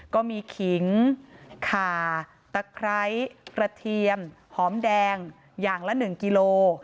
ขิงขาตะไคร้กระเทียมหอมแดงอย่างละ๑กิโล